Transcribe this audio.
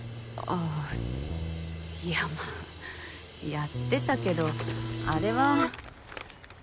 あぁいやまあやってたけどあれは。